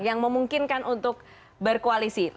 yang memungkinkan untuk berkoalisi